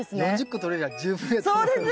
４０個とれりゃ十分です。